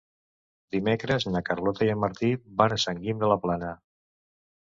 Dimecres na Carlota i en Martí van a Sant Guim de la Plana.